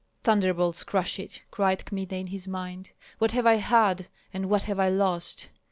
"Thunderbolts crush it!" cried Kmita, in his mind. "What have I had and what have I lost?